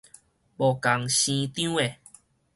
無仝生張的